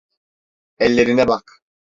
Ellerine bak.